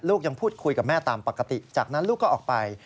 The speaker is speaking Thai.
ยังพูดคุยกับแม่ตามปกติจากนั้นลูกก็ออกไป